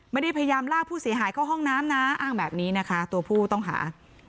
ไม่ได้พยายามลากผู้เสียหายเข้าห้องน้ำนะอ้างแบบนี้นะคะตัวผู้ต้องหา